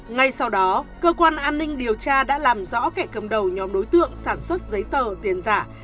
ngay sau đó cơ quan an ninh điều tra đã làm rõ kẻ cầm đầu nhóm đối tượng sản xuất giấy tờ tiền giả